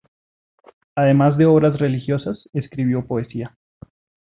Además de obras religiosas, escribió poesía.